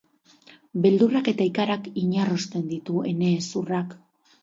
Beldurrak eta ikarak inarrosten ditu ene hezurrak.